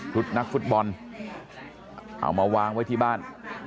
นักฟุตบอลเอามาวางไว้ที่บ้าน